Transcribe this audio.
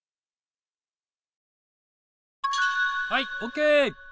はいオーケー。